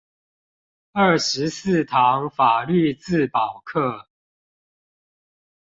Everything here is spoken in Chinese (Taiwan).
二十四堂法律自保課